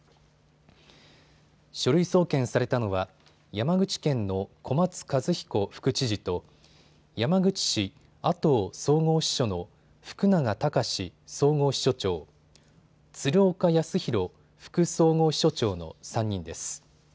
書類送検されたのは山口県の小松一彦副知事と山口市阿東総合支所の福永卓総合支所長、鶴岡泰広副総合支所長の３人です。